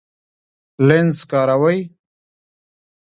لینز کاروئ؟